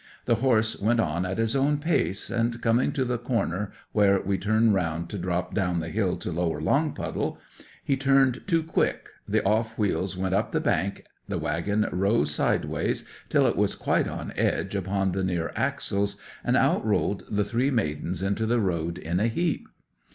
The horse went on at his own pace, and coming to the corner where we turn round to drop down the hill to Lower Longpuddle he turned too quick, the off wheels went up the bank, the waggon rose sideways till it was quite on edge upon the near axles, and out rolled the three maidens into the road in a heap.